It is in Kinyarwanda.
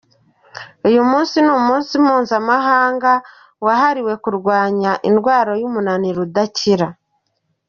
Uyu munsi ni umunsi mpuzamahanga wahariwe kurwanya indwaray’umunaniro udakira.